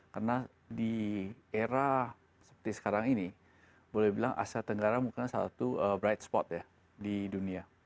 karena di era seperti sekarang ini boleh dibilang asia tenggara mungkin salah satu bright spot ya di dunia